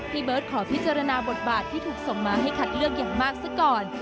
พี่เบิร์ตขอพิจารณาบทบาทที่ถูกส่งมาให้คัดเลือกอย่างมากซะก่อน